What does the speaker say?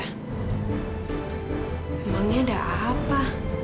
emangnya ada apa